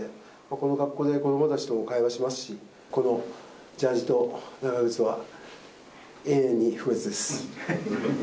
この格好で子どもたちとも会話しますし、このジャージと長靴は永遠に不滅です。